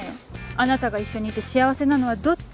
あなたが一緒にいて幸せなのはどっち？